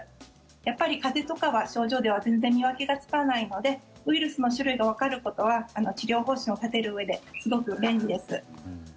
やっぱり風邪とかは、症状では全然見分けがつかないのでウイルスの種類がわかることは治療方針を立てるうえですごく便利です。